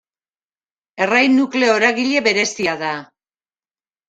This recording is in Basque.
Errai nukleo eragile berezia da.